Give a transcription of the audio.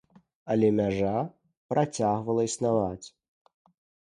Але мяжа працягвала існаваць.